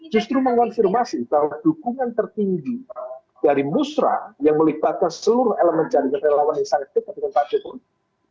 justru mengonfirmasi bahwa dukungan tertinggi dari musrah yang melibatkan seluruh elemen jaringan relawan yang sangat dekat dengan pak jokowi